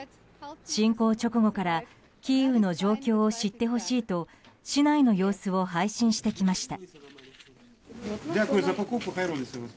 侵攻直後からキーウの状況を知ってほしいと市内の様子を配信してきました。